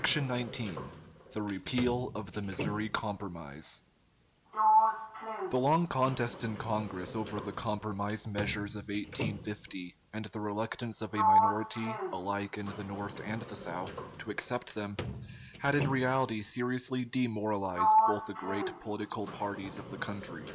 ] CHAPTER XIX THE REPEAL OF THE MISSOURI COMPROMISE The long contest in Congress over the compromise measures of 1850, and the reluctance of a minority, alike in the North and the South, to accept them, had in reality seriously demoralized both the great political parties of the country.